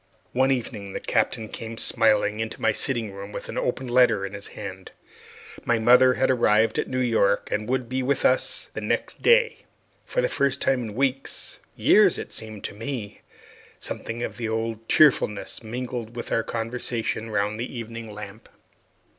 One evening the Captain came smiling into the sitting room with an open letter in his hand. My mother had arrived at New York, and would be with us the next day. For the first time in weeks years, it seemed to me something of the old cheerfulness mingled with our conversation round the evening lamp.